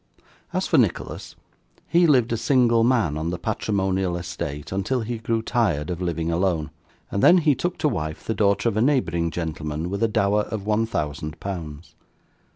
As for Nicholas, he lived a single man on the patrimonial estate until he grew tired of living alone, and then he took to wife the daughter of a neighbouring gentleman with a dower of one thousand pounds.